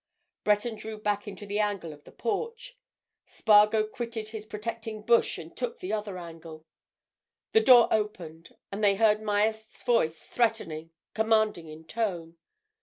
Breton drew back into the angle of the porch; Spargo quitted his protecting bush and took the other angle. The door opened. And they heard Myerst's voice, threatening, commanding in tone.